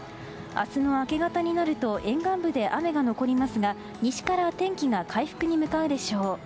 明日の明け方になると沿岸部で雨が残りますが西から天気が回復に向かうでしょう。